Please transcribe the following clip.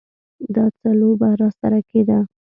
دا څه لوبه راسره کېده.